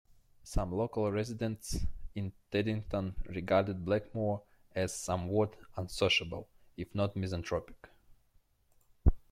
Some local residents in Teddington regarded Blackmore as somewhat unsociable, if not misanthropic.